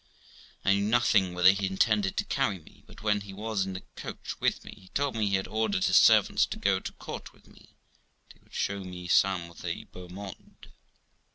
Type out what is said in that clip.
I knew nothing whither he intended to carry me ; but when he was in the coach with me, he told me he had ordered his servants to go to court with me, and he would show me some of the beau monde.